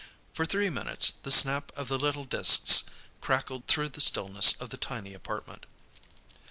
For three minutes the snap of the little disks crackled through the stillness of the tiny apartment.